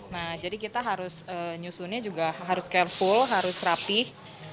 nah jadi kita harus nyusunnya juga harus careful harus rapih